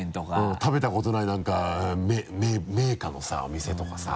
食べたことない何か銘菓のさお店とかさ。